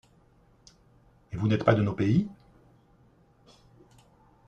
Et vous n’êtes pas de nos pays?